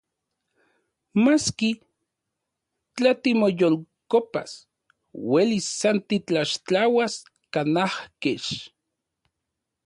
Maski, tla timoyolkopas, uelis san titlaxtlauas kanaj kech.